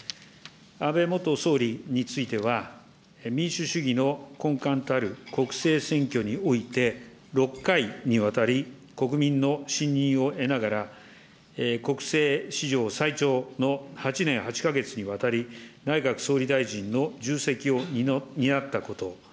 安倍元総理については、民主主義の根幹たる国政選挙において、６回にわたり、国民の信任を得ながら、国政史上最長の８年８か月にわたり、内閣総理大臣の重責を担ったこと。